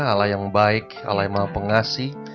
ala yang baik ala yang pengasih